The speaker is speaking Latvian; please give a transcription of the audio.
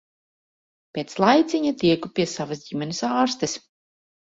Pēc laiciņa tieku pie savas ģimenes ārstes.